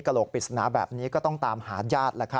กระโหลกปิดสนาแบบนี้ก็ต้องตามหาญาติแล้ว